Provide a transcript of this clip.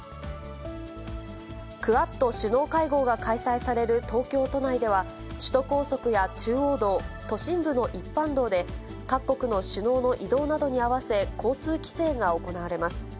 クアッド首脳会合が開催される東京都内では、首都高速や中央道、都心部の一般道で、各国の首脳の移動などに合わせ、交通規制が行われます。